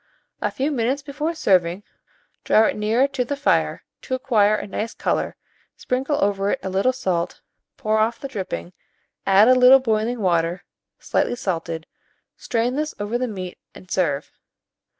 A few minutes before serving, draw it nearer the the fire to acquire a nice colour, sprinkle over it a little salt, pour off the dripping, add a little boiling water slightly salted, strain this over the meat and serve.